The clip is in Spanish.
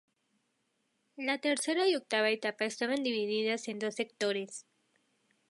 La tercera y octava etapa estaban divididas en dos sectores.